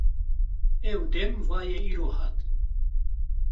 Ew dem va ye îro hat.